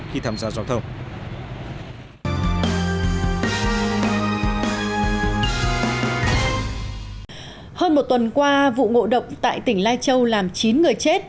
hơn một tuần qua vụ ngộ độc tại tỉnh lai châu làm chín người chết